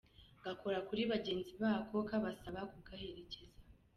Gakora kuri bagenzi bako kabasaba kugaherekeza.